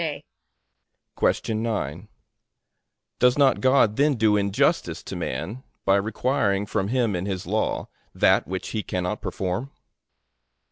A.